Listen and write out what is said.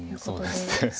そうですね。